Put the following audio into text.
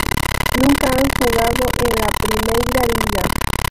Nunca han jugado en la Primeira Liga.